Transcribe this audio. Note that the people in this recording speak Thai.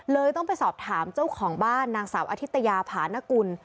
ต้องไปสอบถามเจ้าของบ้านนางสาวอธิตยาผานกุล